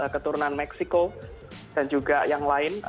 keturunan meksiko dan juga yang lain